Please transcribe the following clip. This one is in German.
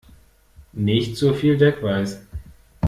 Nicht so viel Deckweiß!